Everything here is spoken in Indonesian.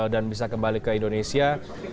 dan bisa kembali ke indonesia